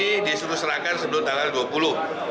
uang saksi disuruh serahkan sebelum tanggal dua puluh